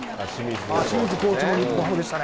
清水コーチも日本ハムですね。